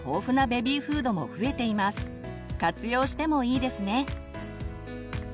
活用してもいいですね。